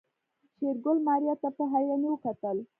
شېرګل ماريا ته په حيرانۍ وکتل.